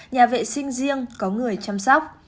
nhà vệ sinh riêng có người chăm sóc